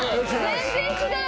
全然違う！